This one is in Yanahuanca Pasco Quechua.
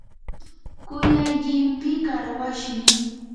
kuyay llimpii qarwashmi.